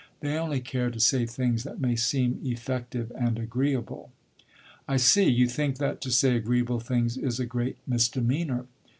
They only care to say things that may seem effective and agreeable." "I see: you think that to say agreeable things is a great misdemeanor."